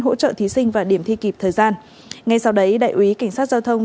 hỗ trợ thí sinh và điểm thi kịp thời gian ngay sau đấy đại úy cảnh sát giao thông